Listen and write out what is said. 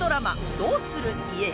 「どうする家康」。